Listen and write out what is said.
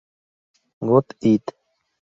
Got it!!